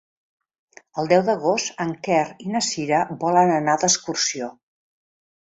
El deu d'agost en Quer i na Cira volen anar d'excursió.